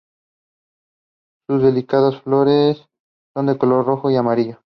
Sus delicadas flores de color rojo y amarillo.